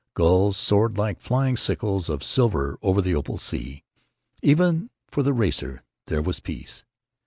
Gulls soared like flying sickles of silver over the opal sea. Even for the racer there was peace.